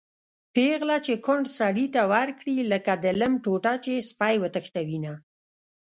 پېغله چې کونډ سړي ته ورکړي-لکه د لم ټوټه چې سپی وتښتوېنه